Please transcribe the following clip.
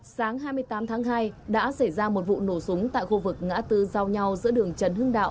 sáng hai mươi tám tháng hai đã xảy ra một vụ nổ súng tại khu vực ngã tư giao nhau giữa đường trần hưng đạo